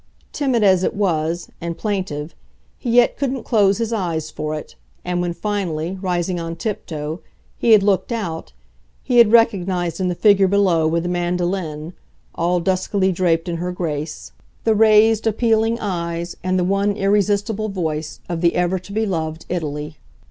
Timid as it was, and plaintive, he yet couldn't close his eyes for it, and when finally, rising on tiptoe, he had looked out, he had recognised in the figure below with a mandolin, all duskily draped in her grace, the raised appealing eyes and the one irresistible voice of the ever to be loved Italy.